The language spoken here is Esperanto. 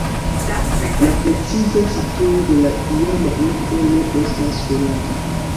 La preciza situo de la iama urbo ne estas konata.